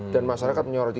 dan masyarakat menyoroti